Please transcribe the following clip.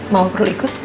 mama perlu ikut